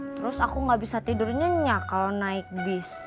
terus aku gak bisa tidurnya nyak kalo naik bis